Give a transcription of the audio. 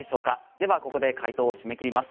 ではここで回答を締め切ります。